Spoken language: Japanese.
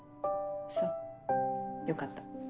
そうよかった。